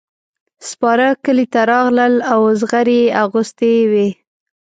سپاره کلي ته راغلل او زغرې یې اغوستې وې.